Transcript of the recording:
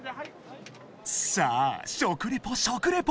［さあ食リポ食リポ］